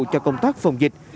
cho công tác phòng dịch